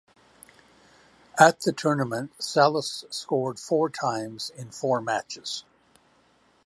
At the tournament, Salas scored four times in four matches.